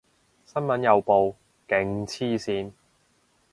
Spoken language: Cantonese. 新聞有報，勁黐線